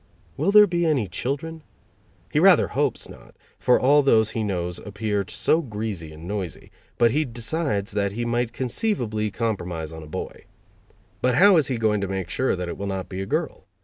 Will there be any children? He rather hopes not, for all those he knows appear so greasy and noisy, but he decides that he might conceivably compromise on a boy. But how is he going to make sure that it will not be a girl?